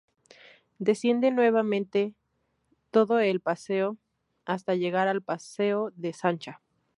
Desciende nueva mente todo el Paseo hasta llegar al Paseo de Sancha.